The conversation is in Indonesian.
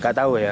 gak tau ya